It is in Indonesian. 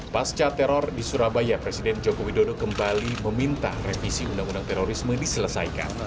pasca teror di surabaya presiden joko widodo kembali meminta revisi undang undang terorisme diselesaikan